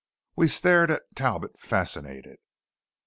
We stared at Talbot fascinated.